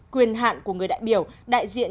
quyền hạn của người đại biểu đại diện